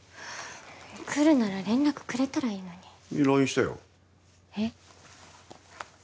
来るなら連絡くれたらいいのにＬＩＮＥしたよえっ？